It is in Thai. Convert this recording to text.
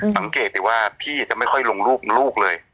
สังเกตดีว่าพี่จะไม่ค่อยลงรูปลูกเลย